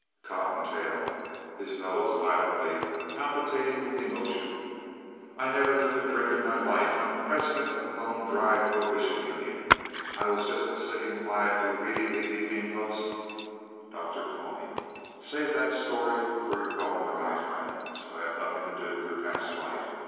COTTONTAIL (his nose violently palpitating with emotion) I never took a drink in my life. I'm president of the Bone Dry Prohibition Union. I was just sitting quietly reading The Evening Post DR. CONY Save that story for your bone dry friends. I have nothing to do with your past life.